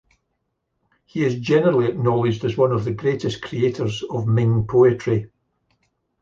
He is generally acknowledged as one of the greatest creators of Ming poetry.